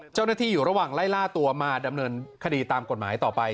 เจ้าหน้าที่อยู่ระหว่างไล่ล่าตัวมาดำเนินคดีตามกฎหมายต่อไป